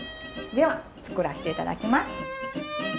では作らせていただきます。